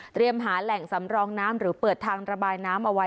หาแหล่งสำรองน้ำหรือเปิดทางระบายน้ำเอาไว้